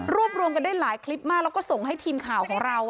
รวมรวมกันได้หลายคลิปมากแล้วก็ส่งให้ทีมข่าวของเรา